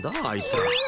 あいつら。